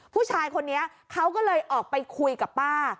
ผู้ชายคนนี้เขาก็เลยออกไปคุยกับป้า